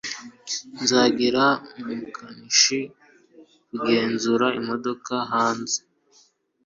Nzagira umukanishi kugenzura imodoka hanze.